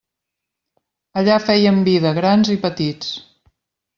Allà fèiem vida, grans i petits.